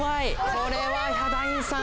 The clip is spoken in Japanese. これはヒャダインさん